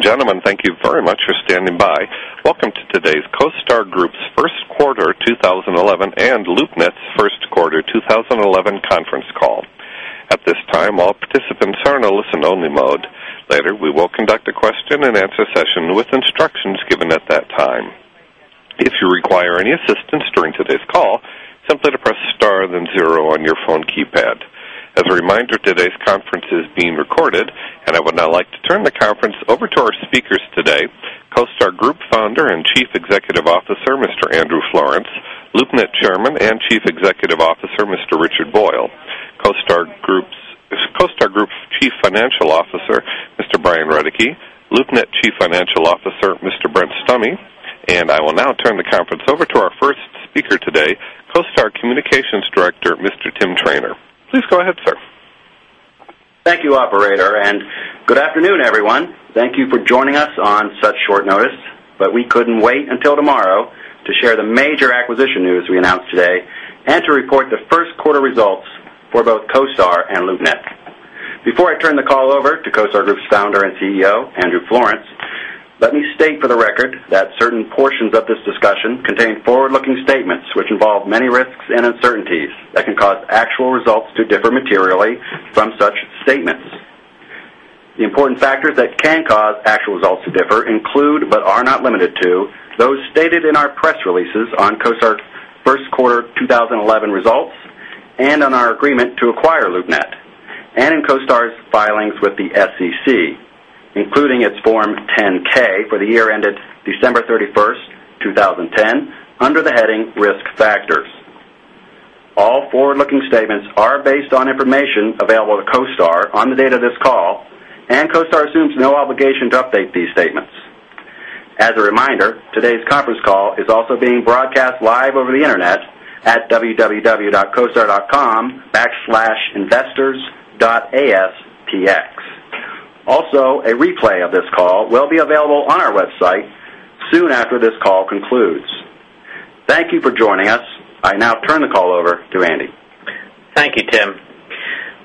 Ladies and gentlemen, thank you very much for standing by. Welcome to today's CoStar Group's first quarter 2011 and LoopNet's first quarter 2011 conference call. At this time, all participants are in a listen-only mode. Later, we will conduct a question and answer session with instructions given at that time. If you require any assistance during today's call, simply press star then zero on your phone keypad. As a reminder, today's conference is being recorded, and I would now like to turn the conferene over to our speakers today: CoStar Group Founder and Chief Executive Officer, Mr. Andy Florance; LoopNet Chairman and Chief Executive Officer, Mr. Richard Boyle; CoStar Group's Chief Financial Officer, Mr. Brian Radecki; LoopNet Chief Financial Officer, Mr. Brent Stumme. I will now turn the conference over to our first speaker today, CoStar Communications Director, Mr. Tim Trainor. Please go ahead, sir. Thank you, operator, and good afternoon, everyone. Thank you for joining us on such short notice, but we couldn't wait until tomorrow to share the major acquisition news we announced today and to report the first quarter results for both CoStar and LoopNet. Before I turn the call over to CoStar Group's Founder and CEO, Andy Florance, let me state for the record that certain portions of this discussion contain forward-looking statements which involve many risks and uncertainties that can cause actual results to differ materially from such statements. The important factors that can cause actual results to differ include, but are not limited to, those stated in our press releases on CoStar's first quarter 2011 results and on our agreement to acquire LoopNet, and in CoStar's filings with the SEC, including its Form 10-K for the year ended December 31, 2010, under the heading Risk Factors. All forward-looking statements are based on information available to CoStar on the date of this call, and CoStar assumes no obligation to update these statements. As a reminder, today's conference call is also being broadcast live over the internet at www.costar.com/investors.astx. Also, a replay of this call will be available on our website soon after this call concludes. Thank you for joining us. I now turn the call over to Andy. Thank you, Tim.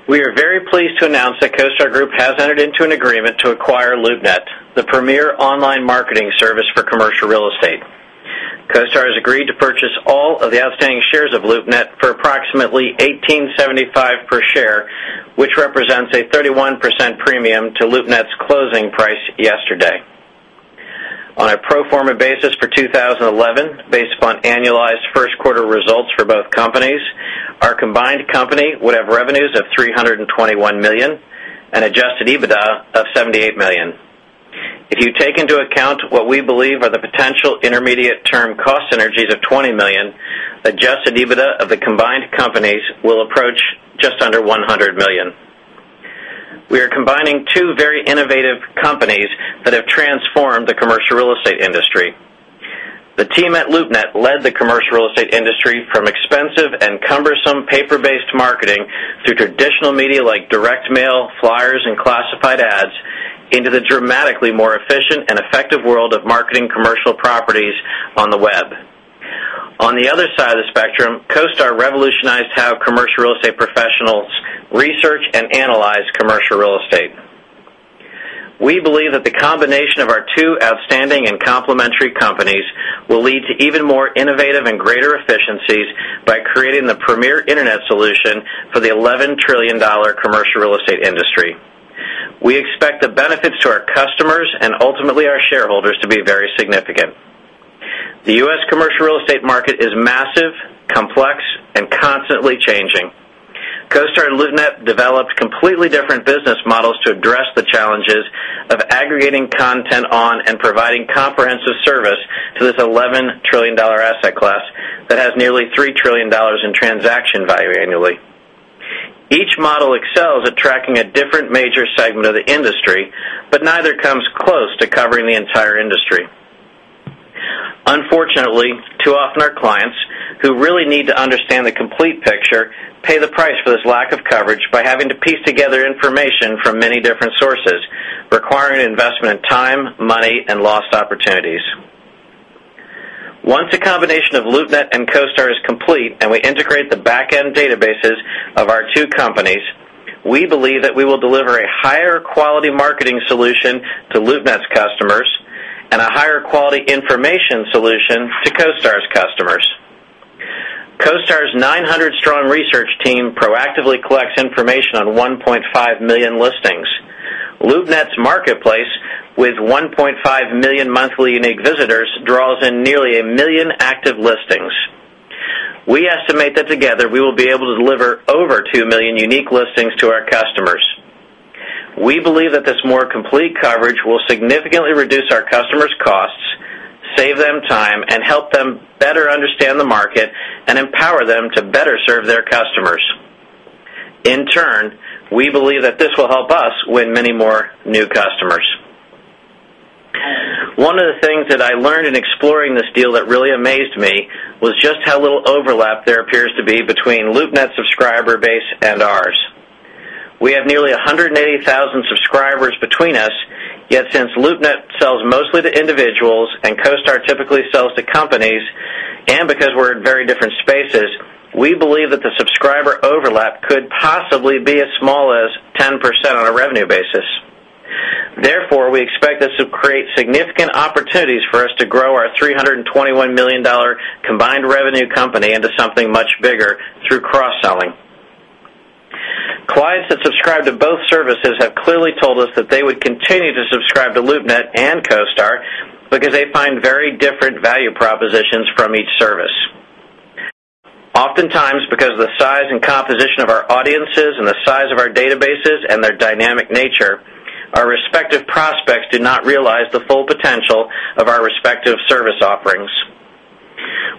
We are very pleased to announce that CoStar Group has entered into an agreement to acquire LoopNet, the premier online marketing service for commercial real estate. CoStar has agreed to purchase all of the outstanding shares of LoopNet for approximately $18.75 per share, which represents a 31% premium to LoopNet's closing price yesterday. On a pro forma basis for 2011, based upon annualized first quarter results for both companies, our combined company would have revenues of $321 million and an adjusted EBITDA of $78 million. If you take into account what we believe are the potential intermediate-term cost synergies of $20 million, the adjusted EBITDA of the combined companies will approach just under $100 million. We are combining two very innovative companies that have transformed the commercial real estate industry. The team at LoopNet led the commercial real estate industry from expensive and cumbersome paper-based marketing through traditional media like direct mail, flyers, and classified ads into the dramatically more efficient and effective world of marketing commercial properties on the web. On the other side of the spectrum, CoStar revolutionized how commercial real estate professionals research and analyze commercial real estate. We believe that the combination of our two outstanding and complementary companies will lead to even more innovative and greater efficiencies by creating the premier internet solution for the $11 trillion commercial real estate industry. We expect the benefits to our customers and ultimately our shareholders to be very significant. The U.S. commercial real estate market is massive, complex, and constantly changing. CoStar and LoopNet developed completely different business models to address the challenges of aggregating content on and providing comprehensive service to this $11 trillion asset class that has nearly $3 trillion in transaction value annually. Each model excels at tracking a different major segment of the industry, but neither comes close to covering the entire industry. Unfortunately, too often our clients, who really need to understand the complete picture, pay the price for this lack of coverage by having to piece together information from many different sources, requiring an investment in time, money, and lost opportunities. Once a combination of LoopNet and CoStar is complete and we integrate the backend databases of our two companies, we believe that we will deliver a higher quality marketing solution to LoopNet's customers and a higher quality information solution to CoStar's customers. CoStar's 900-strong research team proactively collects information on 1.5 million listings. LoopNet's marketplace with 1.5 million monthly unique visitors draws in nearly a million active listings. We estimate that together we will be able to deliver over 2 million unique listings to our customers. We believe that this more complete coverage will significantly reduce our customers' costs, save them time, and help them better understand the market and empower them to better serve their customers. In turn, we believe that this will help us win many more new customers. One of the things that I learned in exploring this deal that really amazed me was just how little overlap there appears to be between LoopNet's subscriber base and ours. We have nearly 180,000 subscribers between us, yet since LoopNet sells mostly to individuals and CoStar typically sells to companies, and because we're in very different spaces, we believe that the subscriber overlap could possibly be as small as 10% on a revenue basis. Therefore, we expect this to create significant opportunities for us to grow our $321 million combined revenue company into something much bigger through cross-selling. Clients that subscribe to both services have clearly told us that they would continue to subscribe to LoopNet and CoStar because they find very different value propositions from each service. Oftentimes, because of the size and composition of our audiences and the size of our databases and their dynamic nature, our respective prospects do not realize the full potential of our respective service offerings.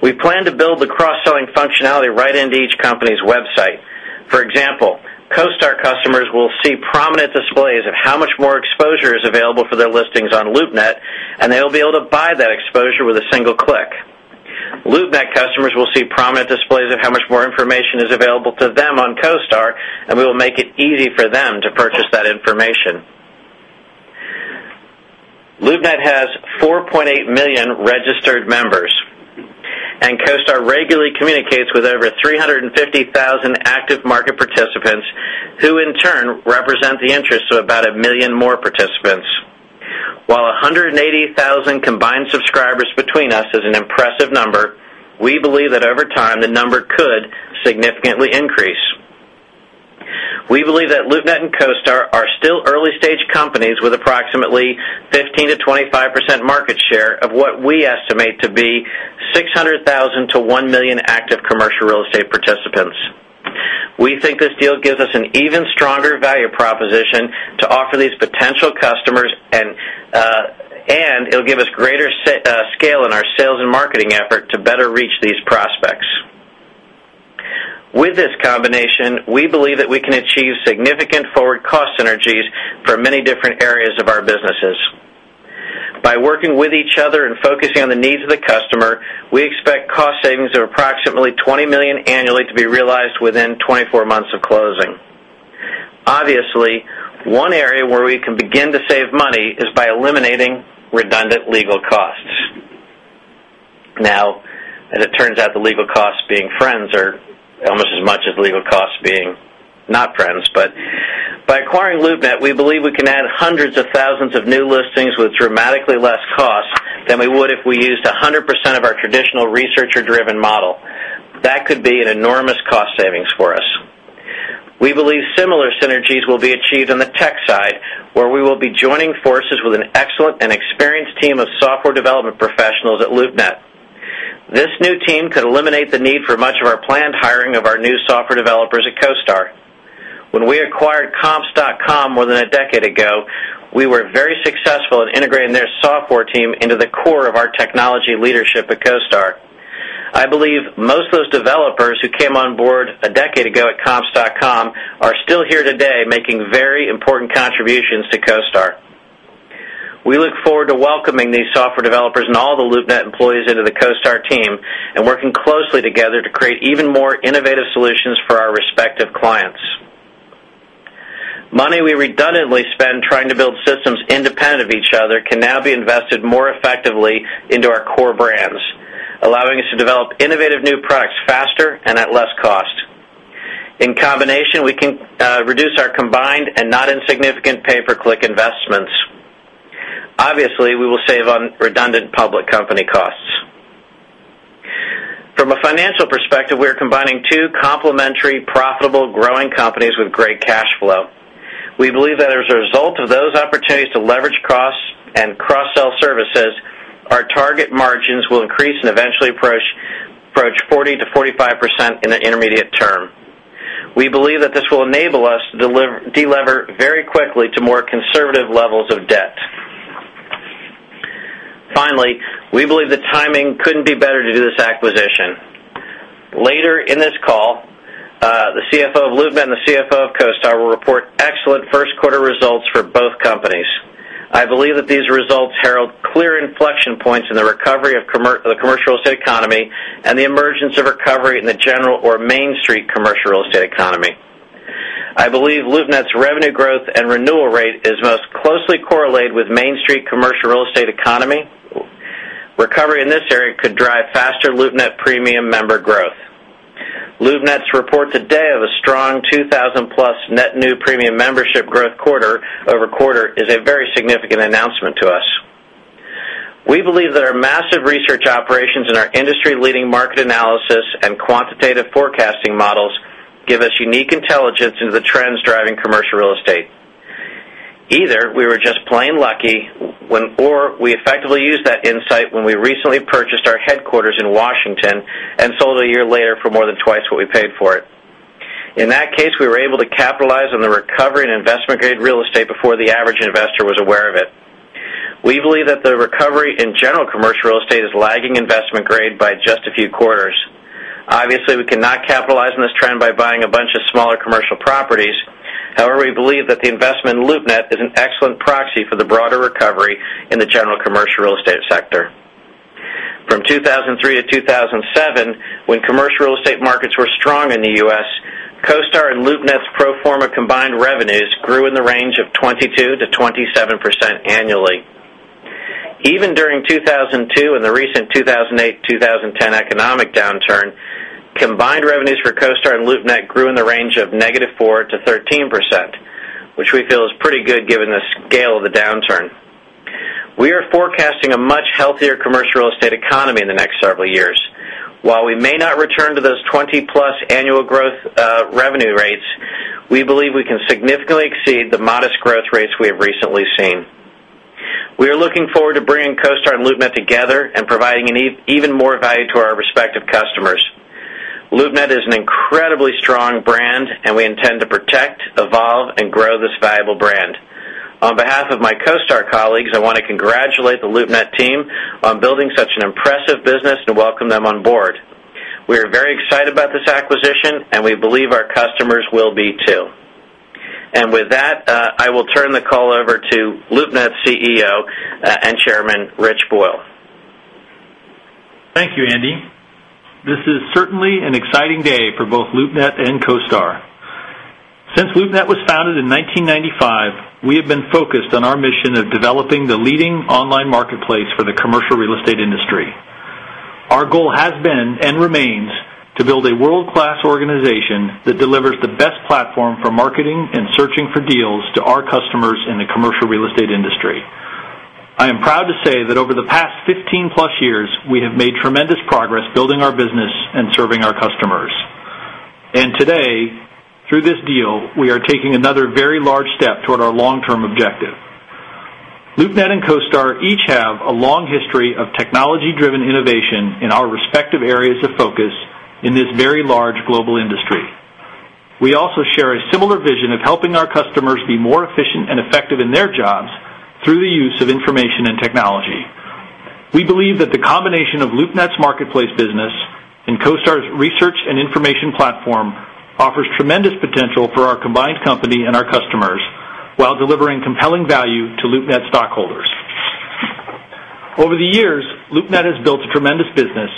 We plan to build the cross-selling functionality right into each company's website. For example, CoStar customers will see prominent displays of how much more exposure is available for their listings on LoopNet, and they will be able to buy that exposure with a single click. LoopNet customers will see prominent displays of how much more information is available to them on CoStar, and we will make it easy for them to purchase that information. LoopNet has 4.8 million registered members, and CoStar regularly communicates with over 350,000 active market participants, who in turn represent the interests of about a million more participants. While 180,000 combined subscribers between us is an impressive number, we believe that over time the number could significantly increase. We believe that LoopNet and CoStar are still early-stage companies with approximately 15%-25% market share of what we estimate to be 600,000-1 million active commercial real estate participants. We think this deal gives us an even stronger value proposition to offer these potential customers, and it'll give us greater scale in our sales and marketing effort to better reach these prospects. With this combination, we believe that we can achieve significant forward cost synergies for many different areas of our businesses. By working with each other and focusing on the needs of the customer, we expect cost savings of approximately $20 million annually to be realized within 24 months of closing. Obviously, one area where we can begin to save money is by eliminating redundant legal costs. Now, as it turns out, the legal costs being friends are almost as much as the legal costs being not friends, but by acquiring LoopNet, we believe we can add hundreds of thousands of new listings with dramatically less cost than we would if we used 100% of our traditional researcher-driven model. That could be an enormous cost savings for us. We believe similar synergies will be achieved on the tech side, where we will be joining forces with an excellent and experienced team of software development professionals at LoopNet. This new team could eliminate the need for much of our planned hiring of our new software developers at CoStar. When we acquired Comps.com more than a decade ago, we were very successful in integrating their software team into the core of our technology leadership at CoStar. I believe most of those developers who came on board a decade ago at Comps.com are still here today making very important contributions to CoStar. We look forward to welcoming these software developers and all the LoopNet employees into the CoStar team and working closely together to create even more innovative solutions for our respective clients. Money we redundantly spend trying to build systems independent of each other can now be invested more effectively into our core brands, allowing us to develop innovative new products faster and at less cost. In combination, we can reduce our combined and not insignificant pay-per-click investments. Obviously, we will save on redundant public company costs. From a financial perspective, we are combining two complementary, profitable, growing companies with great cash flow. We believe that as a result of those opportunities to leverage costs and cross-sell services, our target margins will increase and eventually approach 40%-45% in the intermediate term. We believe that this will enable us to deliver very quickly to more conservative levels of debt. Finally, we believe the timing couldn't be better to do this acquisition. Later in this call, the CFO of LoopNet and the CFO of CoStar will report excellent first quarter results for both companies. I believe that these results herald clear inflection points in the recovery of the commercial real estate economy and the emergence of recovery in the general or Main Street commercial real estate economy. I believe LoopNet's revenue growth and renewal rate is most closely correlated with Main Street commercial real estate economy. Recovery in this area could drive faster LoopNet premium member growth. LoopNet's report today of a strong 2,000+ net new premium membership growth quarter-over-quarter is a very significant announcement to us. We believe that our massive research operations and our industry-leading market analysis and quantitative forecasting models give us unique intelligence into the trends driving commercial real estate. Either we were just plain lucky, or we effectively used that insight when we recently purchased our headquarters in Washington and sold a year later for more than twice what we paid for it. In that case, we were able to capitalize on the recovery in investment-grade real estate before the average investor was aware of it. We believe that the recovery in general commercial real estate is lagging investment grade by just a few quarters. Obviously, we cannot capitalize on this trend by buying a bunch of smaller commercial properties. However, we believe that the investment in LoopNet is an excellent proxy for the broader recovery in the general commercial real estate sector. From 2003 to 2007, when commercial real estate markets were strong in the U.S., CoStar and LoopNet's pro forma combined revenues grew in the range of 22%-27% annually. Even during 2002 and the recent 2008, 2010 economic downturn, combined revenues for CoStar and LoopNet grew in the range of -4%-13%, which we feel is pretty good given the scale of the downturn. We are forecasting a much healthier commercial real estate economy in the next several years. While we may not return to those 20+ annual growth revenue rates, we believe we can significantly exceed the modest growth rates we have recently seen. We are looking forward to bringing CoStar and LoopNet together and providing even more value to our respective customers. LoopNet is an incredibly strong brand, and we intend to protect, evolve, and grow this valuable brand. On behalf of my CoStar colleagues, I want to congratulate the LoopNet team on building such an impressive business and welcome them on board. We are very excited about this acquisition, and we believe our customers will be too. I will turn the call over to LoopNet CEO and Chairman Rich Boyle. Thank you, Andy. This is certainly an exciting day for both LoopNet and CoStar Group. Since LoopNet was founded in 1995, we have been focused on our mission of developing the leading online marketplace for the commercial real estate industry. Our goal has been and remains to build a world-class organization that delivers the best platform for marketing and searching for deals to our customers in the commercial real estate industry. I am proud to say that over the past 15+ years, we have made tremendous progress building our business and serving our customers. Today, through this deal, we are taking another very large step toward our long-term objective. LoopNet and CoStar each have a long history of technology-driven innovation in our respective areas of focus in this very large global industry. We also share a similar vision of helping our customers be more efficient and effective in their jobs through the use of information and technology. We believe that the combination of LoopNet's marketplace business and CoStar's research and information platform offers tremendous potential for our combined company and our customers while delivering compelling value to LoopNet stockholders. Over the years, LoopNet has built a tremendous business,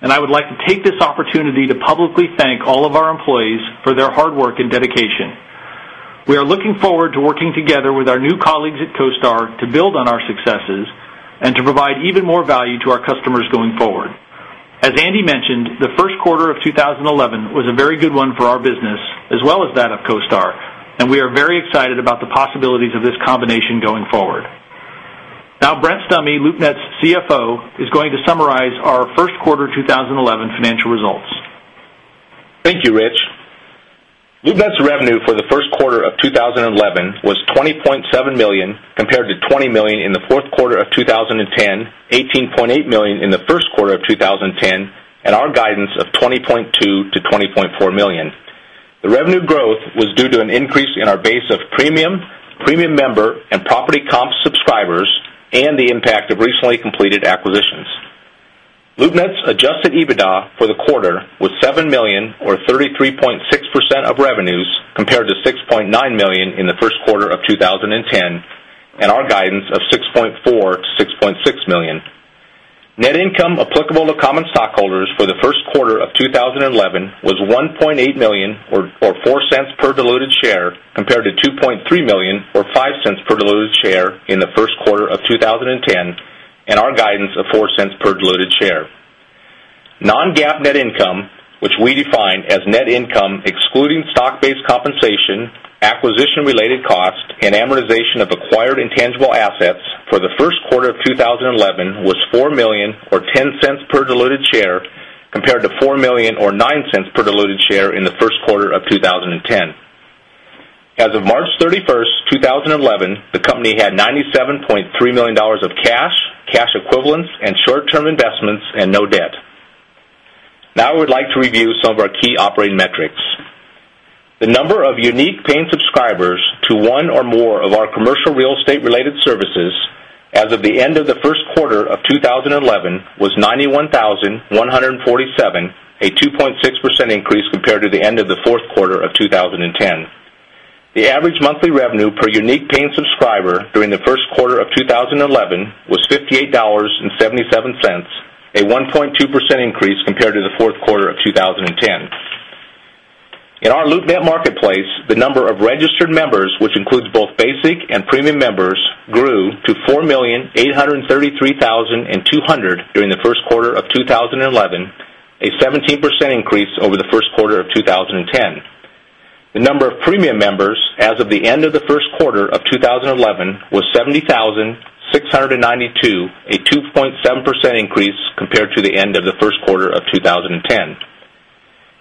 and I would like to take this opportunity to publicly thank all of our employees for their hard work and dedication. We are looking forward to working together with our new colleagues at CoStar to build on our successes and to provide even more value to our customers going forward. As Andy mentioned, the first quarter of 2011 was a very good one for our business as well as that of CoStar, and we are very excited about the possibilities of this combination going forward. Now, Brent Stumme, LoopNet's CFO, is going to summarize our first quarter of 2011 financial results. Thank you, Rich. LoopNet's revenue for the first quarter of 2011 was $20.7 million compared to $20 million in the fourth quarter of 2010, $18.8 million in the first quarter of 2010, and our guidance of $20.2 million-$20.4 million. The revenue growth was due to an increase in our base of premium, premium member, and property comp subscribers and the impact of recently completed acquisitions. LoopNet's adjusted EBITDA for the quarter was $7 million or 33.6% of revenue compared to $6.9 million in the first quarter of 2010 and our guidance of $6.4 million-$6.6 million. Net income applicable to common stockholders for the first quarter of 2011 was $1.8 million or $0.04 per diluted share compared to $2.3 million or $0.05 per diluted share in the first quarter of 2010 and our guidance of $0.04 per diluted share. Non-GAAP net income, which we define as net income excluding stock-based compensation, acquisition-related costs, and amortization of acquired intangible assets for the first quarter of 2011, was $4 million or $0.10 per diluted share compared to $4 million or $0.09 per diluted share in the first quarter of 2010. As of March 31, 2011, the company had $97.3 million of cash, cash equivalents, and short-term investments and no debt. Now I would like to review some of our key operating metrics. The number of unique paying subscribers to one or more of our commercial real estate-related services as of the end of the first quarter of 2011 was 91,147, a 2.6% increase compared to the end of the fourth quarter of 2010. The average monthly revenue per unique paying subscriber during the first quarter of 2011 was $58.77, a 1.2% increase compared to the fourth quarter of 2010. In our LoopNet marketplace, the number of registered members, which include both basic and premium members, grew to 4,833,200 during the first quarter of 2011, a 17% increase over the first quarter of 2010. The number of premium members as of the end of the first quarter of 2011 was 70,692, a 2.7% increase compared to the end of the first quarter of 2010.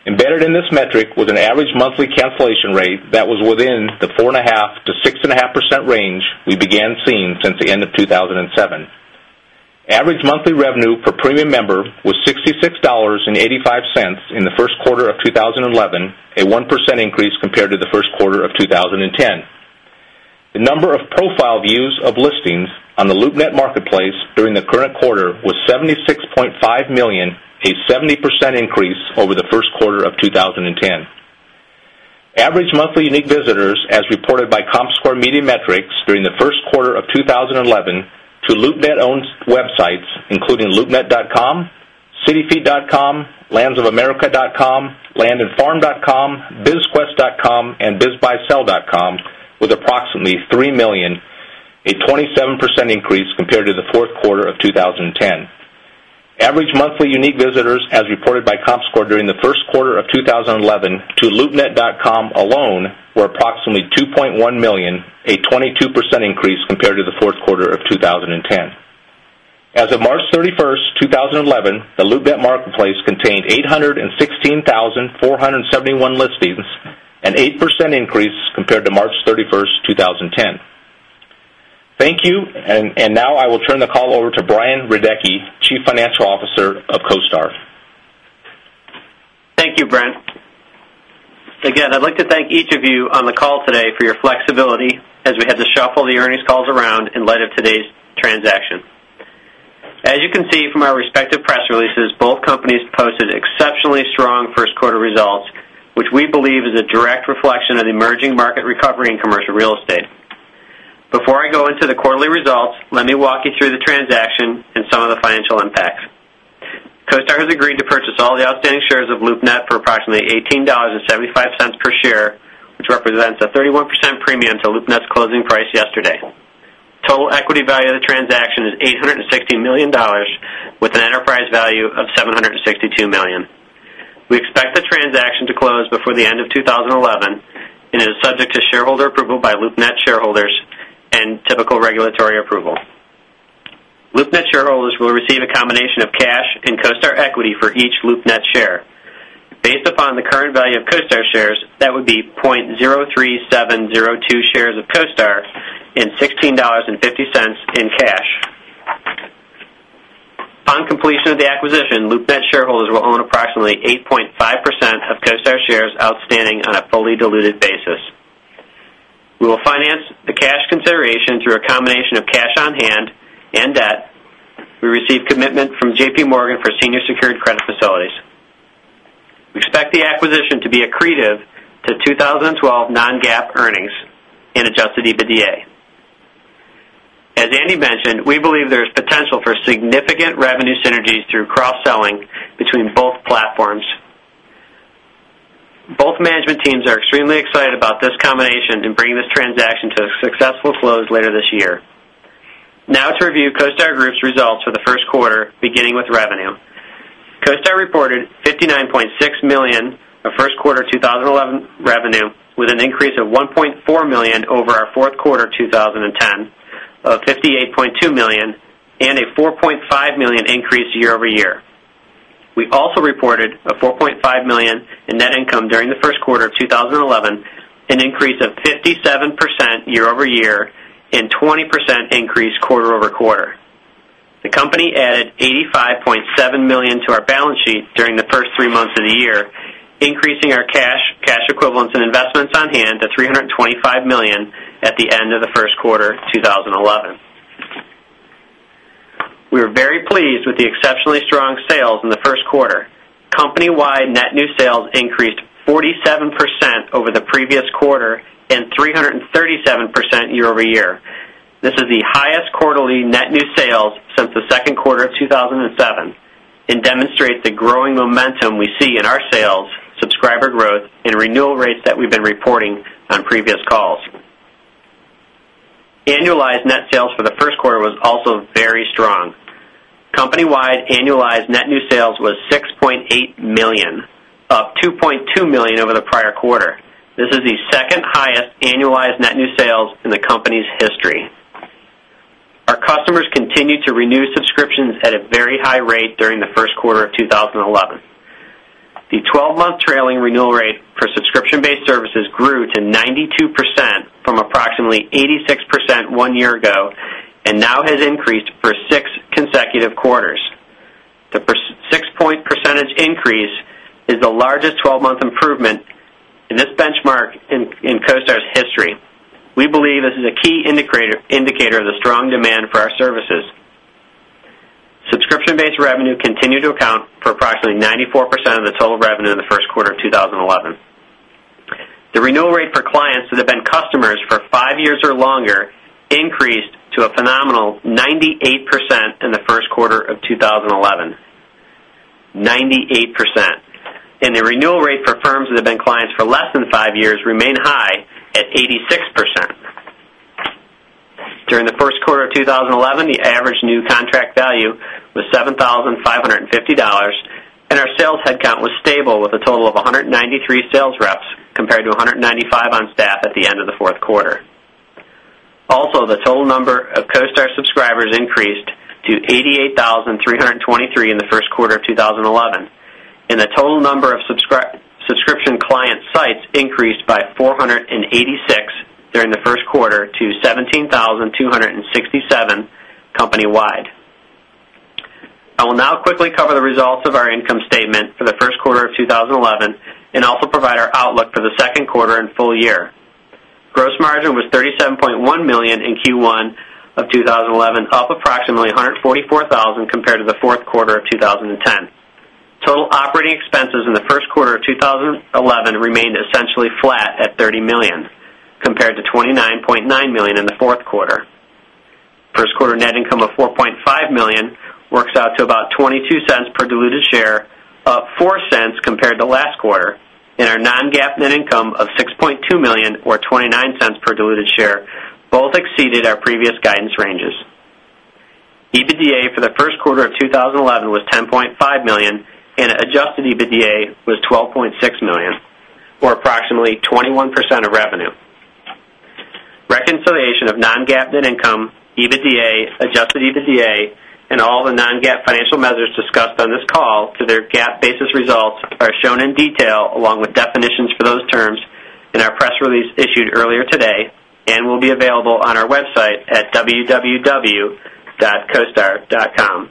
Embedded in this metric was an average monthly cancellation rate that was within the 4.5%-6.5% range we began seeing since the end of 2007. Average monthly revenue per premium member was $66.85 in the first quarter of 2011, a 1% increase compared to the first quarter of 2010. The number of profile views of listings on the LoopNet marketplace during the current quarter was 76.5 million, a 70% increase over the first quarter of 2010. Average monthly unique visitors, as reported by Comscore Media Metrix, during the first quarter of 2011 to LoopNet-owned websites, including loopnet.com, cityfeet.com, landsofamerica.com, landandfarm.com, bizquest.com, and bizbuysell.com, was approximately 3 million, a 27% increase compared to the fourth quarter of 2010. Average monthly unique visitors, as reported by Comscore during the first quarter of 2011 to loopnet.com alone, were approximately 2.1 million, a 22% increase compared to the fourth quarter of 2010. As of March 31, 2011, the LoopNet marketplace contained 816,471 listings, an 8% increase compared to March 31, 2010. Thank you, and now I will turn the call over to Brian Radecki, Chief Financial Officer of CoStar. Thank you, Brent. Again, I'd like to thank each of you on the call today for your flexibility as we had to shuffle the earnings calls around in light of today's transaction. As you can see from our respective press releases, both companies posted exceptionally strong first quarter results, which we believe is a direct reflection of the emerging market recovery in commercial real estate. Before I go into the quarterly results, let me walk you through the transaction and some of the financial impacts. CoStar has agreed to purchase all the outstanding shares of LoopNet for approximately $18.75 per share, which represents a 31% premium to LoopNet's closing price yesterday. Total equity value of the transaction is $860 million, with an enterprise value of $762 million. We expect the transaction to close before the end of 2011 and it is subject to shareholder approval by LoopNet shareholders and typical regulatory approval. LoopNet shareholders will receive a combination of cash and CoStar equity for each LoopNet share. Based upon the current value of CoStar shares, that would be 0.03702 shares of CoStar and $16.50 in cash. Upon completion of the acquisition, LoopNet shareholders will own approximately 8.5% of CoStar shares outstanding on a fully diluted basis. We will finance the cash consideration through a combination of cash on hand and debt. We received commitment from JPMorgan for senior secured credit facilities. We expect the acquisition to be accretive to 2012 non-GAAP earnings and adjusted EBITDA. As Andy mentioned, we believe there is potential for significant revenue synergies through cross-selling between both platforms. Both management teams are extremely excited about this combination and bringing this transaction to a successful close later this year. Now to review CoStar Group's results for the first quarter, beginning with revenue. CoStar reported $59.6 million of first quarter 2011 revenue, with an increase of $1.4 million over our fourth quarter 2010 of $58.2 million and a $4.5 million increase year-over-year. We also reported $4.5 million in net income during the first quarter of 2011, an increase of 57% year-over-year and a 20% increase quarter-over-quarter. The company added $85.7 million to our balance sheet during the first three months of the year, increasing our cash, cash equivalents, and investments on hand to $325 million at the end of the first quarter 2011. We were very pleased with the exceptionally strong sales in the first quarter. Company-wide net new sales increased 47% over the previous quarter and 337% year-over-year. This is the highest quarterly net new sales since the second quarter of 2007 and demonstrates the growing momentum we see in our sales, subscriber growth, and renewal rates that we've been reporting on previous calls. Annualized net sales for the first quarter was also very strong. Company-wide annualized net new sales was $6.8 million, up $2.2 million over the prior quarter. This is the second highest annualized net new sales in the company's history. Our customers continued to renew subscriptions at a very high rate during the first quarter of 2011. The 12-month trailing renewal rate for subscription-based services grew to 92% from approximately 86% one year ago and now has increased for six consecutive quarters. The 6-point percentage increase is the largest 12-month improvement in this benchmark in CoStar's history. We believe this is a key indicator of the strong demand for our services. Subscription-based revenue continued to account for approximately 94% of the total revenue in the first quarter of 2011. The renewal rate for clients that have been customers for five years or longer increased to a phenomenal 98% in the first quarter of 2011. 98%. The renewal rate for firms that have been clients for less than five years remained high at 86%. During the first quarter of 2011, the average new contract value was $7,550, and our sales headcount was stable with a total of 193 sales reps compared to 195 on staff at the end of the fourth quarter. The total number of CoStar subscribers increased to 88,323 in the first quarter of 2011, and the total number of subscription client sites increased by 486 during the first quarter to 17,267 company-wide. I will now quickly cover the results of our income statement for the first quarter of 2011 and also provide our outlook for the second quarter and full year. Gross margin was $37.1 million in Q1 of 2011, up approximately $144,000 compared to the fourth quarter of 2010. Total operating expenses in the first quarter of 2011 remained essentially flat at $30 million compared to $29.9 million in the fourth quarter. First quarter net income of $4.5 million works out to about $0.22 per diluted share, up $0.04 compared to last quarter, and our non-GAAP net income of $6.2 million or $0.29 per diluted share both exceeded our previous guidance ranges. EBITDA for the first quarter of 2011 was $10.5 million, and adjusted EBITDA was $12.6 million, or approximately 21% of revenue. Reconciliation of non-GAAP net income, EBITDA, adjusted EBITDA, and all the non-GAAP financial measures discussed on this call to their GAAP basis results are shown in detail along with definitions for those terms in our press release issued earlier today and will be available on our website at www.costar.com.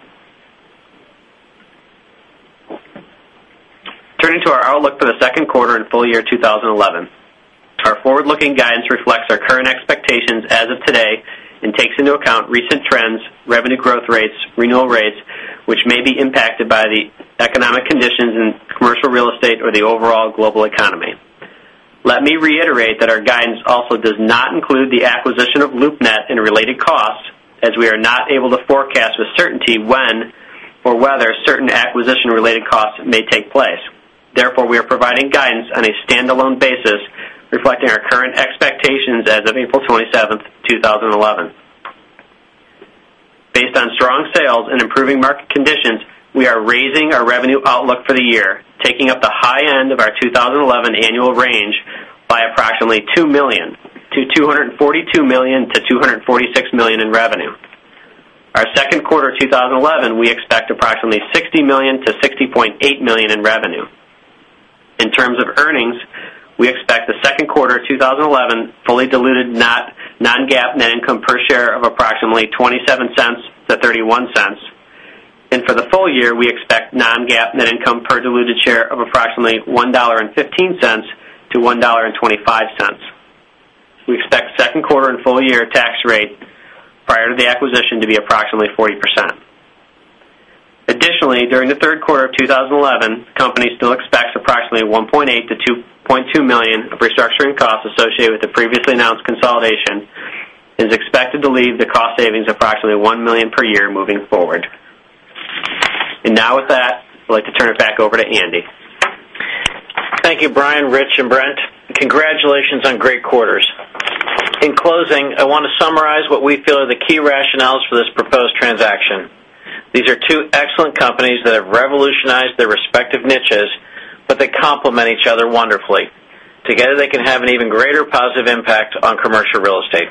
Turning to our outlook for the second quarter and full year of 2011, our forward-looking guidance reflects our current expectations as of today and takes into account recent trends, revenue growth rates, renewal rates, which may be impacted by the economic conditions in commercial real estate or the overall global economy. Let me reiterate that our guidance also does not include the acquisition of LoopNet and related costs, as we are not able to forecast with certainty when or whether certain acquisition-related costs may take place. Therefore, we are providing guidance on a standalone basis reflecting our current expectations as of April 27, 2011. Based on strong sales and improving market conditions, we are raising our revenue outlook for the year, taking up the high end of our 2011 annual range by approximately $2 million to $242 million-$246 million in revenue. Our second quarter of 2011, we expect approximately $60 million-$60.8 million in revenue. In terms of earnings, we expect the second quarter of 2011 fully diluted non-GAAP net income per share of approximately $0.27-$0.31, and for the full year, we expect non-GAAP net income per diluted share of approximately $1.15-$1.25. We expect the second quarter and full year tax rate prior to the acquisition to be approximately 40%. Additionally, during the third quarter of 2011, the company still expects approximately $1.8 million-$2.2 million of restructuring costs associated with the previously announced consolidation and is expected to leave the cost savings approximately $1 million per year moving forward. Now with that, I'd like to turn it back over to Andy. Thank you, Brian, Rich, and Brent. Congratulations on great quarters. In closing, I want to summarize what we feel are the key rationales for this proposed transaction. These are two excellent companies that have revolutionized their respective niches, but they complement each other wonderfully. Together, they can have an even greater positive impact on commercial real estate.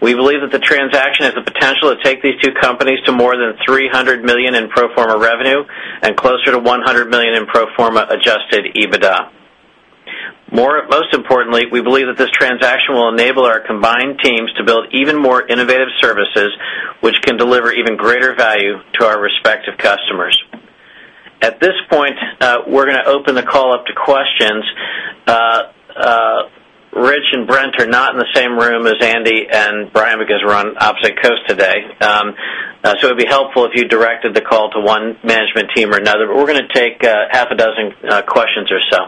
We believe that the transaction has the potential to take these two companies to more than $300 million in pro forma revenue and closer to $100 million in pro forma adjusted EBITDA. Most importantly, we believe that this transaction will enable our combined teams to build even more innovative services, which can deliver even greater value to our respective customers. At this point, we're going to open the call up to questions. Rich and Brent are not in the same room as Andy and Brian because we're on opposite coasts today. It would be helpful if you directed the call to one management team or another, but we're going to take half a dozen questions or so.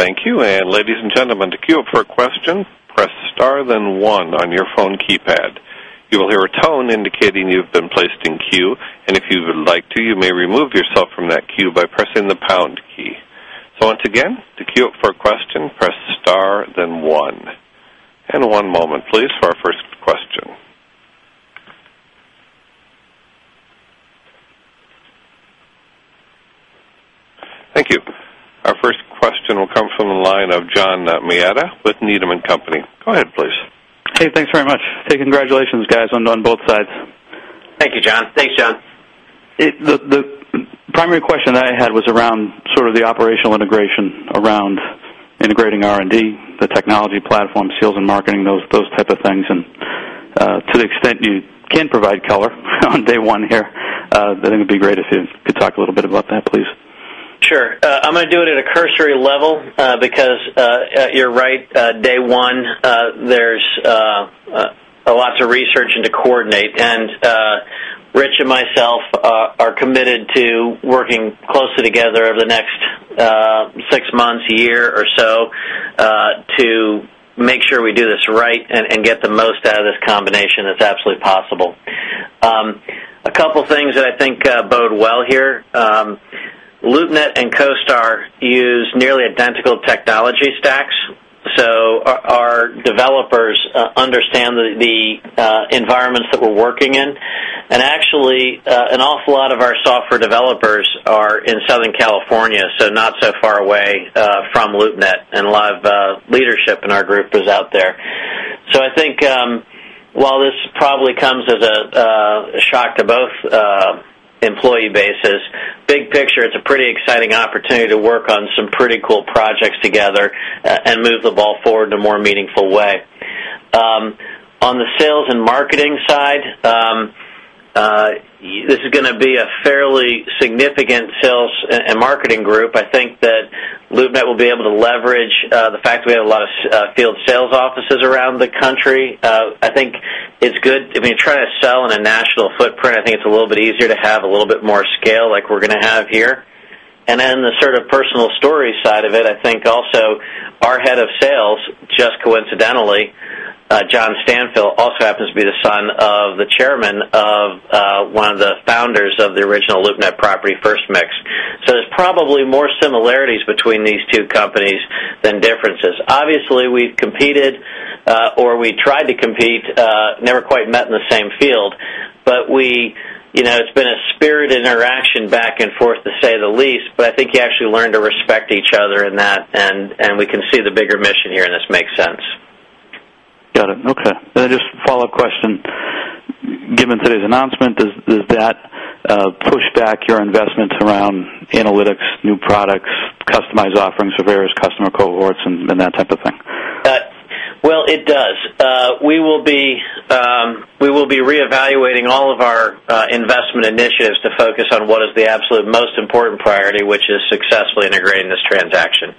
Thank you. Ladies and gentlemen, to queue up for a question, press star then one on your phone keypad. You will hear a tone indicating you've been placed in queue, and if you would like to, you may remove yourself from that queue by pressing the pound key. To queue up for a question, press star then one. One moment, please, for our first question. Thank you. Our first question will come from the line of Jon Maietta with Needham & Company. Go ahead, please. Hey, thanks very much. Congratulations, guys, on both sides. Thank you, Jon Thanks, Jon. The primary question I had was around the operational integration around integrating R&D, the technology platform, sales and marketing, those types of things. To the extent you can provide color on day one here, I think it would be great if you could talk a little bit about that, please. Sure. I'm going to do it at a cursory level because you're right, day one, there's lots of research to coordinate. Rich and myself are committed to working closely together over the next six months, year, or so to make sure we do this right and get the most out of this combination that's absolutely possible. A couple of things that I think bode well here. LoopNet and CoStar use nearly identical technology stacks, so our developers understand the environments that we're working in. Actually, an awful lot of our software developers are in Southern California, so not so far away from LoopNet, and a lot of leadership in our group is out there. I think while this probably comes as a shock to both employee bases, big picture, it's a pretty exciting opportunity to work on some pretty cool projects together and move the ball forward in a more meaningful way. On the sales and marketing side, this is going to be a fairly significant sales and marketing group. I think that LoopNet will be able to leverage the fact that we have a lot of field sales offices around the country. I think it's good when you're trying to sell in a national footprint. I think it's a little bit easier to have a little bit more scale like we're going to have here. The sort of personal story side of it, I think also our Head of Sales, just coincidentally, John Stanfield, also happens to be the son of the Chairman of one of the founders of the original LoopNet Property First Mix. There are probably more similarities between these two companies than differences. Obviously, we competed or we tried to compete, never quite met in the same field, but it's been a spirited interaction back and forth to say the least. I think you actually learn to respect each other in that, and we can see the bigger mission here and this makes sense. Got it. Okay. Just a follow-up question. Given today's announcement, does that push back your investments around analytics, new products, customized offerings for various customer cohorts, and that type of thing? We will be reevaluating all of our investment initiatives to focus on what is the absolute most important priority, which is successfully integrating this transaction.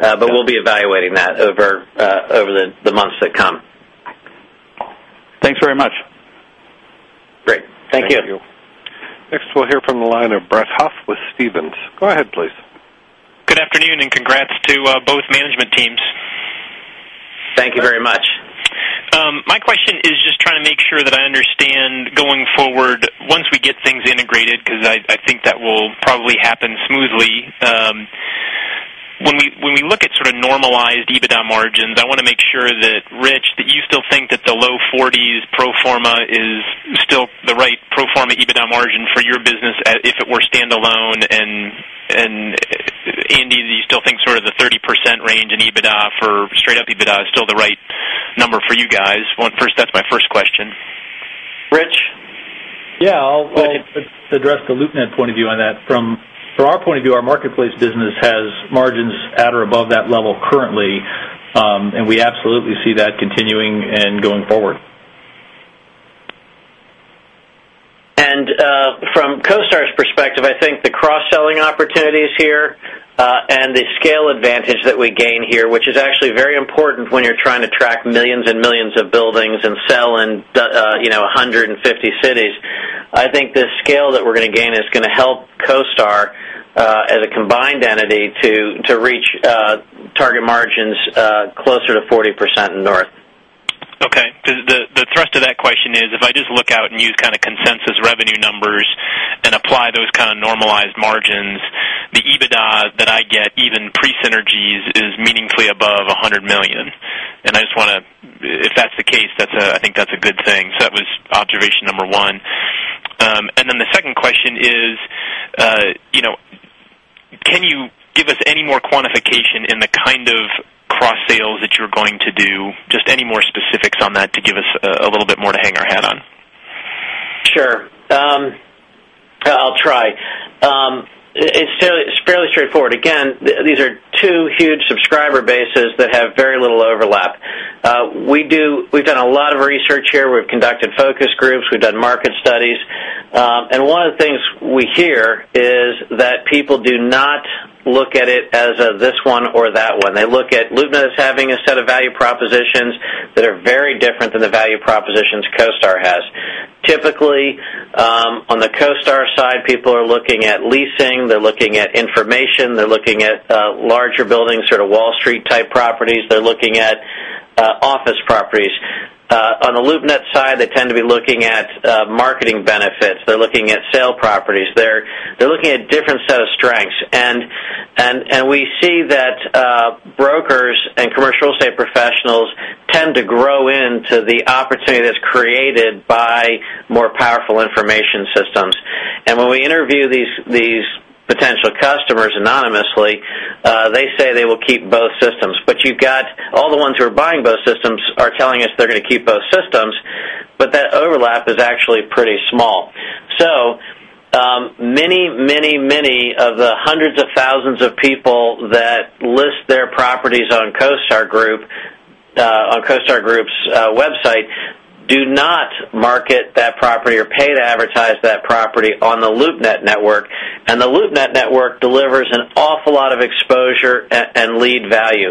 We'll be evaluating that over the months that come. Thanks very much. Great. Thank you. Thank you. Next, we'll hear from the line of Brett Huff with Stephens. Go ahead, please. Good afternoon, and congrats to both management teams. Thank you very much. My question is just trying to make sure that I understand going forward once we get things integrated because I think that will probably happen smoothly. When we look at sort of normalized EBITDA margins, I want to make sure that, Rich, that you still think that the low 40% pro forma is still the right pro forma EBITDA margin for your business if it were standalone. Andy, do you still think sort of the 30% range in EBITDA for straight-up EBITDA is still the right number for you guys? That's my first question. Rich? Yeah, I'll address theLoopNet point of view on that. From our point of view, our marketplace business has margins at or above that level currently, and we absolutely see that continuing and going forward. From CoStar's perspective, I think the cross-selling opportunities here and the scale advantage that we gain here, which is actually very important when you're trying to track millions and millions of buildings and sell in 150 cities, I think the scale that we're going to gain is going to help CoStar as a combined entity to reach target margins closer to 40% and north. Okay. The thrust of that question is if I just look out and use kind of consensus revenue numbers and apply those kind of normalized margins, the EBITDA that I get even pre-synergies is meaningfully above $100 million. I just want to, if that's the case, I think that's a good thing. That was observation number one. The second question is, can you give us any more quantification in the kind of cross-sales that you're going to do, just any more specifics on that to give us a little bit more to hang our hat on? Sure. I'll try. It's fairly straightforward. Again, these are two huge subscriber bases that have very little overlap. We've done a lot of research here. We've conducted focus groups. We've done market studies. One of the things we hear is that people do not look at it as this one or that one. They look at LoopNet as having a set of value propositions that are very different than the value propositions CoStar has. Typically, on the CoStar side, people are looking at leasing, they're looking at information, they're looking at larger buildings, sort of Wall Street type properties, they're looking at office properties. On the LoopNet side, they tend to be looking at marketing benefits, they're looking at sale properties, they're looking at a different set of strengths. We see that brokers and commercial real estate professionals tend to grow into the opportunity that's created by more powerful information systems. When we interview these potential customers anonymously, they say they will keep both systems. You've got all the ones who are buying both systems telling us they're going to keep both systems, but that overlap is actually pretty small. Many, many, many of the hundreds of thousands of people that list their properties on CoStar's website do not market that property or pay to advertise that property on theLoopNet network. The LoopNet network delivers an awful lot of exposure and lead value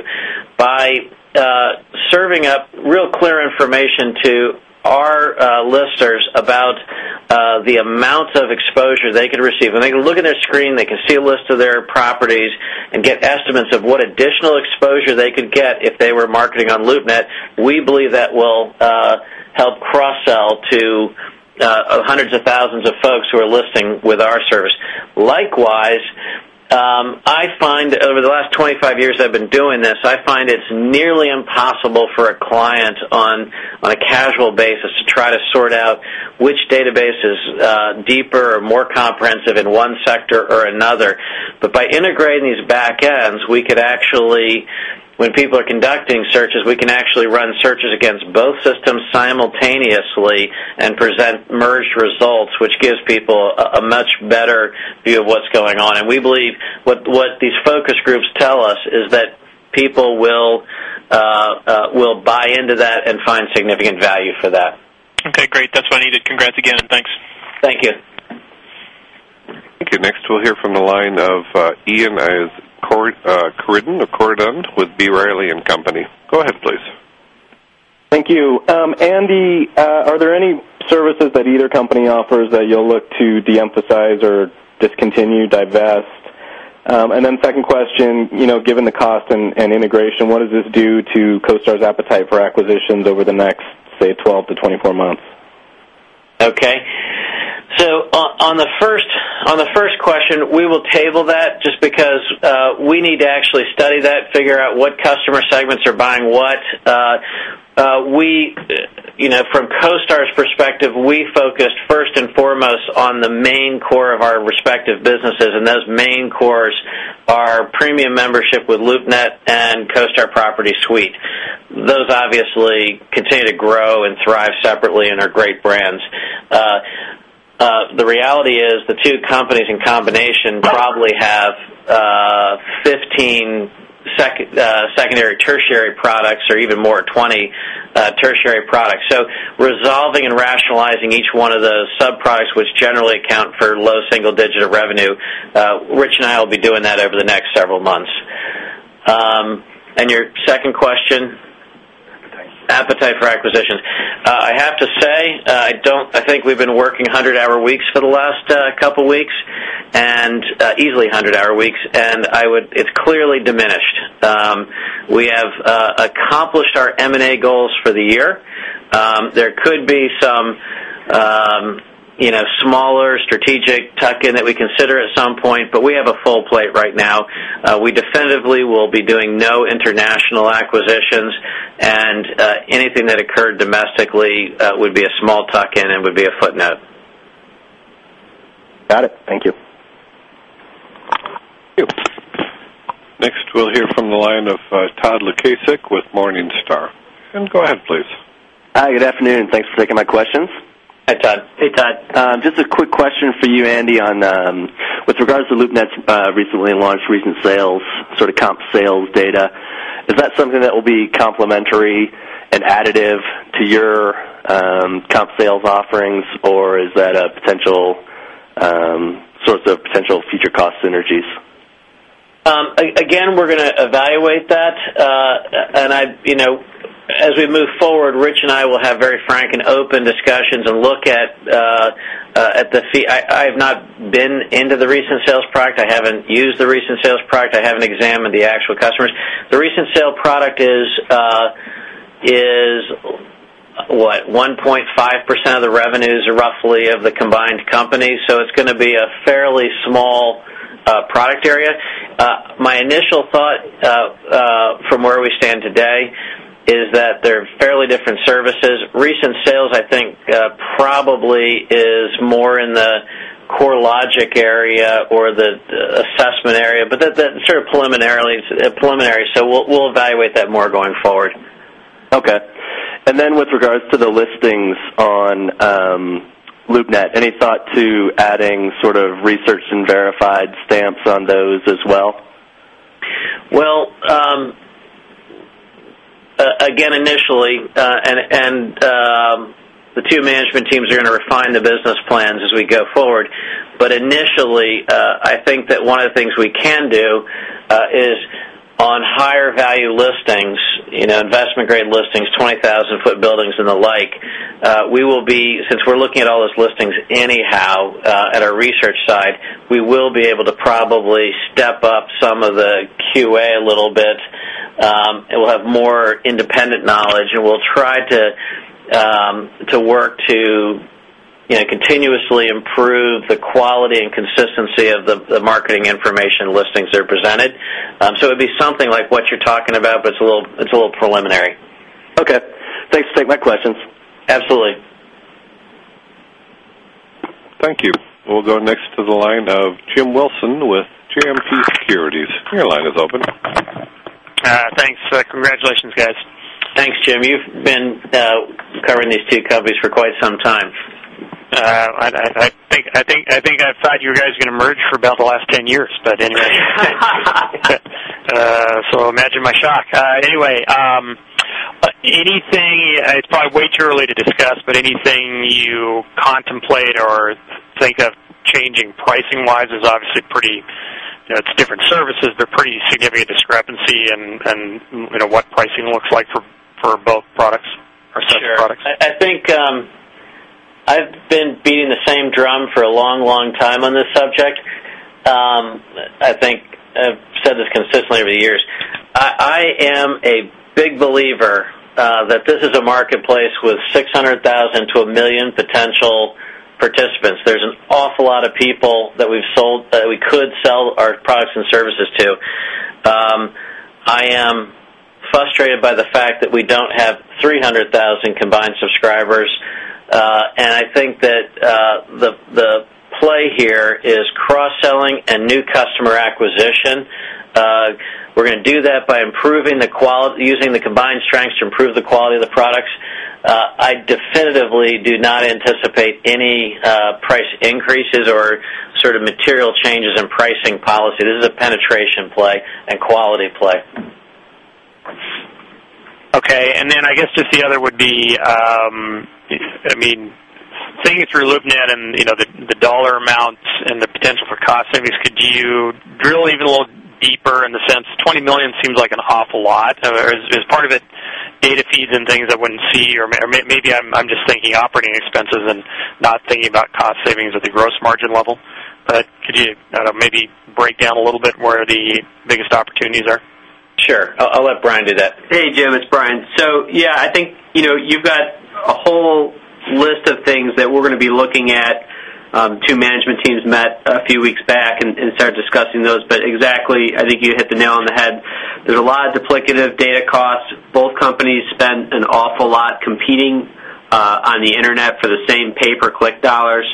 by serving up real clear information to our listeners about the amount of exposure they could receive. They can look at their screen, they can see a list of their properties and get estimates of what additional exposure they could get if they were marketing on LoopNet. We believe that will help cross-sell to hundreds of thousands of folks who are listing with our service. Likewise, I find over the last 25 years I've been doing this, I find it's nearly impossible for a client on a casual basis to try to sort out which database is deeper or more comprehensive in one sector or another. By integrating these backends, we could actually, when people are conducting searches, we can actually run searches against both systems simultaneously and present merged results, which gives people a much better view of what's going on. We believe what these focus groups tell us is that people will buy into that and find significant value for that. Okay, great. That's why I needed. Congrats again. Thanks. Thank you. Thank you. Next, we'll hear from the line of Ian Corydon with B. Riley & Company. Go ahead, please. Thank you. Andy, are there any services that either company offers that you'll look to de-emphasize or discontinue or divest? Second question, given the cost and integration, what does this do to CoStar's appetite for acquisitions over the next, say, 12-24 months? Okay. On the first question, we will table that just because we need to actually study that, figure out what customer segments are buying what. From CoStar's perspective, we focused first and foremost on the main core of our respective businesses, and those main cores are premium membership with LoopNet and CoStar Property Suite. Those obviously continue to grow and thrive separately and are great brands. The reality is the two companies in combination probably have 15 secondary tertiary products or even more, 20 tertiary products. Resolving and rationalizing each one of those sub-products, which generally account for low single-digit revenue, Rich and I will be doing that over the next several months. Your second question? Appetite. Appetite for acquisitions. I have to say, I think we've been working 100-hour weeks for the last couple of weeks, and easily 100-hour weeks, and it's clearly diminished. We have accomplished our M&A goals for the year. There could be some smaller strategic tuck-in that we consider at some point, but we have a full plate right now. We definitively will be doing no international acquisitions, and anything that occurred domestically would be a small tuck-in and would be a footnote. Got it. Thank you. Next, we'll hear from the line of Todd Lukasik with Morningstar. Go ahead, please. Hi, good afternoon. Thanks for taking my questions. Hi, Todd. Just a quick question for you, Andy, with regards to LoopNet's recently launched recent sales, sort of comp sales data. Is that something that will be complementary and additive to your comp sales offerings, or is that a potential source of potential future cost synergies? Again, we are going to evaluate that. As we move forward, Rich and I will have very frank and open discussions and look at the fee. I have not been into the recent sales product. I haven't used the recent sales product. I haven't examined the actual customers. The recent sales product is what? 1.5% of the revenues roughly of the combined company. It is going to be a fairly small product area. My initial thought from where we stand today is that they are fairly different services. Recent sales, I think, probably is more in the core logic area or the assessment area, but that is sort of preliminary. We will evaluate that more going forward. Okay. With regards to the listings on LoopNet, any thought to adding sort of researched and verified stamps on those as well? Initially, the two management teams are going to refine the business plans as we go forward. I think that one of the things we can do is on higher value listings, investment-grade listings, 20,000-foot buildings and the like, we will be, since we're looking at all those listings anyhow at our research side, able to probably step up some of the QA a little bit. We'll have more independent knowledge, and we'll try to work to continuously improve the quality and consistency of the marketing information listings that are presented. It would be something like what you're talking about, but it's a little preliminary. Okay, thanks for taking my questions. Absolutely. Thank you. We'll go next to the line of Jim Wilson with JMP Securities. Your line is open. Thanks. Congratulations, guys. Thanks, Jim. You've been covering these two companies for quite some time. I thought you guys were going to merge for about the last 10 years, but anyway. Imagine my shock. Anything, it's probably way too early to discuss, but anything you contemplate or think of changing pricing-wise is obviously pretty, you know, it's different services, but pretty significant discrepancy in what pricing looks like for both products or sub-products. Sure. I think I've been beating the same drum for a long, long time on this subject. I think I've said this consistently over the years. I am a big believer that this is a marketplace with 600,000-1 million potential participants. There's an awful lot of people that we've sold that we could sell our products and services to. I am frustrated by the fact that we don't have 300,000 combined subscribers. I think that the play here is cross-selling and new customer acquisition. We're going to do that by improving the quality, using the combined strengths to improve the quality of the products. I definitively do not anticipate any price increases or material changes in pricing policy. This is a penetration play and quality play. Okay. I guess just the other would be, I mean, thinking through LoopNet and the dollar amounts and the potential for cost savings, could you drill even a little deeper in the sense $20 million seems like an awful lot? Is part of it data feeds and things I wouldn't see? Maybe I'm just thinking operating expenses and not thinking about cost savings at the gross margin level. Could you maybe break down a little bit where the biggest opportunities are? Sure. I'll let Brian do that. Hey, Jim, it's Brian. I think you've got a whole list of things that we're going to be looking at. Two management teams met a few weeks back and started discussing those. I think you hit the nail on the head. There's a lot of duplicative data costs. Both companies spend an awful lot competing on the internet for the same pay-per-click dollars.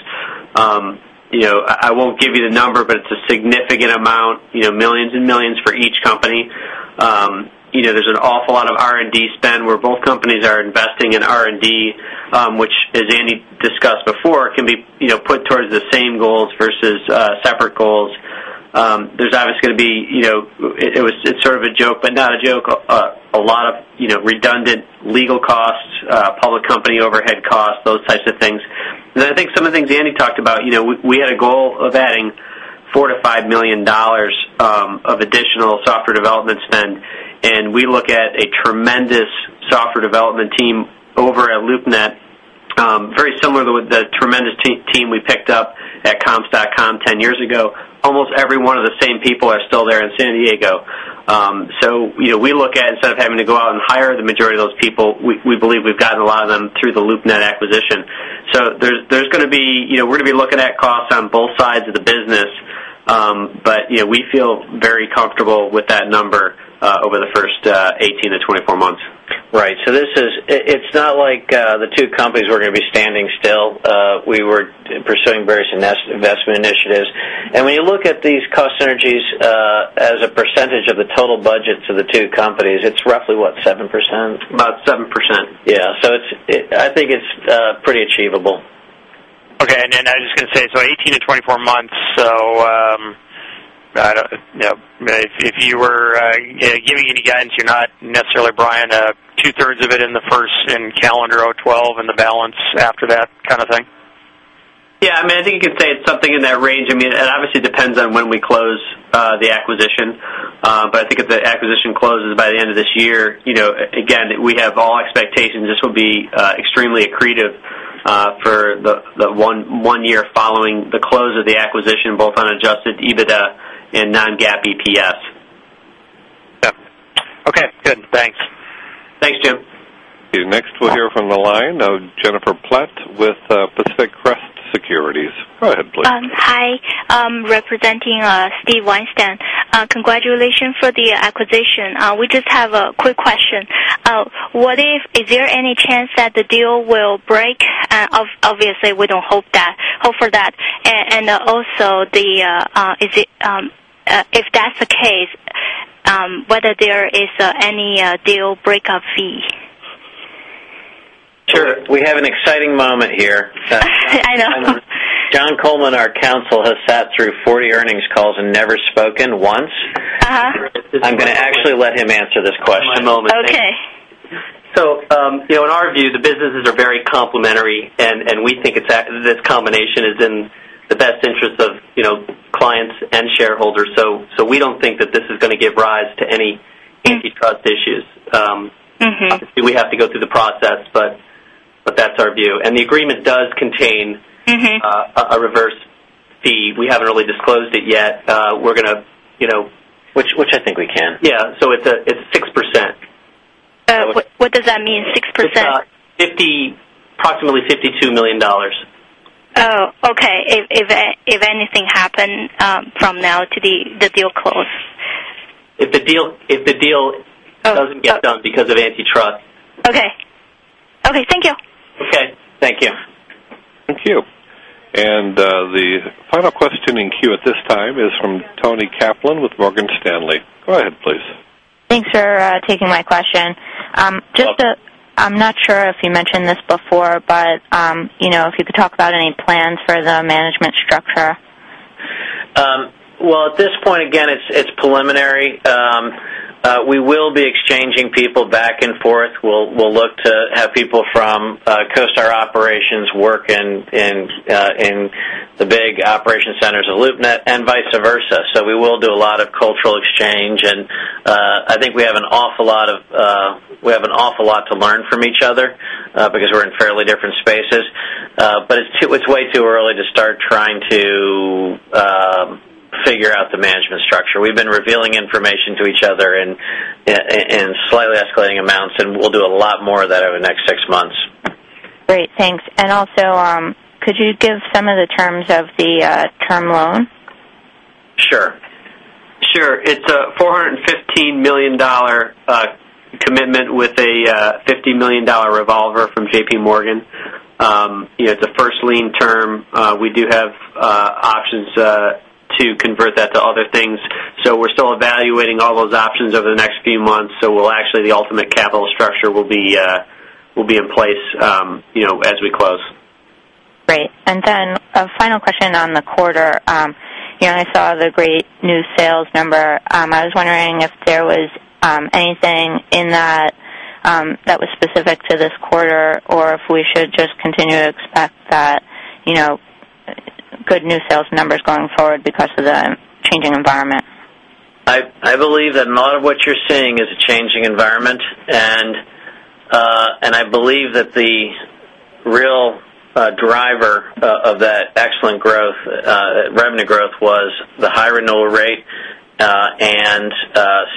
I won't give you the number, but it's a significant amount, millions and millions for each company. There's an awful lot of R&D spend where both companies are investing in R&D, which, as Andy discussed before, can be put towards the same goals versus separate goals. There's obviously going to be, it was sort of a joke, but not a joke, a lot of redundant legal costs, public company overhead costs, those types of things. I think some of the things Andy talked about, we had a goal of adding $4 million-$5 million of additional software development spend. We look at a tremendous software development team over at LoopNet, very similar to the tremendous team we picked up at Comps.com 10 years ago. Almost every one of the same people are still there in San Diego. We look at, instead of having to go out and hire the majority of those people, we believe we've gotten a lot of them through the LoopNet acquisition. There's going to be, we're going to be looking at costs on both sides of the business. We feel very comfortable with that number over the first 18-24 months. Right. It's not like the two companies were going to be standing still. We were pursuing various investment initiatives. When you look at these cost synergies as a percentage of the total budgets of the two companies, it's roughly what, 7%? About 7%. Yeah, I think it's pretty achievable. Okay. I was just going to say, 18-24 months. If you were giving any guidance, you're not necessarily, Brian, 2/3 of it in the first in calendar 2012 and the balance after that kind of thing? Yeah. I mean, I think you can say it's something in that range. It obviously depends on when we close the acquisition. I think if the acquisition closes by the end of this year, again, we have all expectations this will be extremely accretive for the one year following the close of the acquisition, both on adjusted EBITDA and non-GAAP EPS. Yeah, okay. Good, thanks. Thanks, Jim. Next, we'll hear from the line of Jennifer Platt with Pacific Crest Securities. Go ahead, please. Hi. I'm representing Steve Weinstein. Congratulations for the acquisition. We just have a quick question. Is there any chance that the deal will break? Obviously, we don't hope for that. Also, if that's the case, whether there is any deal breakup fee? Sure, we have an exciting moment here. I know. Jon Coleman, our Counsel, has sat through 40 earnings calls and never spoken once. Uh-huh. I'm going to actually let him answer this question. One moment, thanks. In our view, the businesses are very complementary, and we think this combination is in the best interests of clients and shareholders. We don't think that this is going to give rise to any antitrust issues. We have to go through the process, but that's our view. The agreement does contain a reverse breakup fee. We haven't really disclosed it yet. We're going to which I think we can. Yeah, it's 6%. Oh, what does that mean, 6%? Approximately $52 million. Okay, if anything happened from now to the deal close. If the deal doesn't get done because of antitrust. Okay. Thank you. Okay, thank you. Thank you. The final question in queue at this time is from Toni Kaplan with Morgan Stanley. Go ahead, please. Thanks for taking my question. I'm not sure if you mentioned this before, but if you could talk about any plans for the management structure. At this point, again, it's preliminary. We will be exchanging people back and forth. We'll look to have people from CoStar operations work in the big operation centers of LoopNet and vice versa. We will do a lot of cultural exchange. I think we have an awful lot to learn from each other because we're in fairly different spaces. It's way too early to start trying to figure out the management structure. We've been revealing information to each other in slightly escalating amounts, and we'll do a lot more of that over the next six months. Great. Thanks. Could you give some of the terms of the term loan? Sure. It's a $415 million commitment with a $50 million revolver from JPMorgan. It's a first lien term. We do have options to convert that to other things. We're still evaluating all those options over the next few months. The ultimate capital structure will be in place as we close. Great. A final question on the quarter. I saw the great new sales number. I was wondering if there was anything in that that was specific to this quarter, or if we should just continue to expect that good new sales numbers going forward because of the changing environment. I believe that a lot of what you're seeing is a changing environment. I believe that the real driver of that excellent revenue growth was the high renewal rate and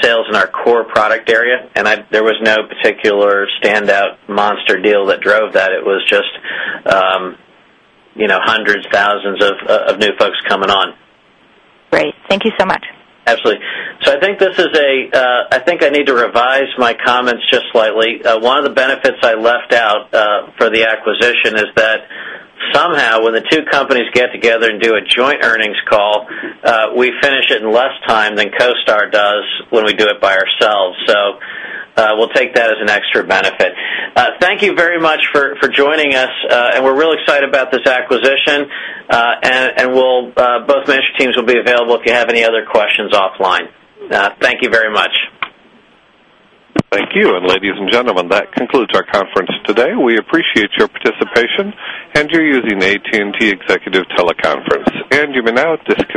sales in our core product area. There was no particular standout monster deal that drove that. It was just hundreds, thousands of new folks coming on. Great, thank you so much. Absolutely. I think I need to revise my comments just slightly. One of the benefits I left out for the acquisition is that somehow when the two companies get together and do a joint earnings call, we finish it in less time than CoStar does when we do it by ourselves. We'll take that as an extra benefit. Thank you very much for joining us. We're really excited about this acquisition. Both management teams will be available if you have any other questions offline. Thank you very much. Thank you. Ladies and gentlemen, that concludes our conference today. We appreciate your participation and your using the AT&T executive teleconference. You may now disconnect.